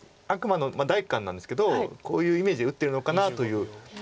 第一感なんですけどこういうイメージで打ってるのかなという印象があって。